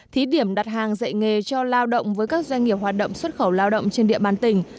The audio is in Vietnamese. thí điểm đặt hàng dạy nghề cho lao động với các doanh nghiệp hoạt động xuất khẩu lao động trên địa bàn tỉnh